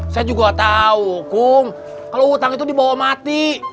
saya juga tau kum kalau hutang itu dibawa mati